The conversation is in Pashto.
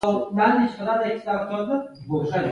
پلوشه راغله پر ځای ولې راغلل وایاست.